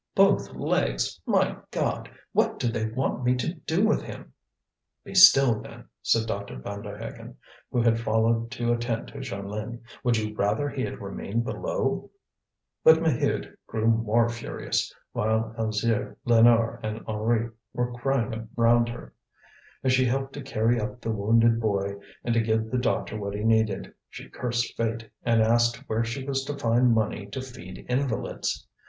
Both legs! My God! What do they want me to do with him?" "Be still, then," said Dr. Vanderhaghen, who had followed to attend to Jeanlin. "Would you rather he had remained below?" But Maheude grew more furious, while Alzire, Lénore, and Henri were crying around her. As she helped to carry up the wounded boy and to give the doctor what he needed, she cursed fate, and asked where she was to find money to feed invalids.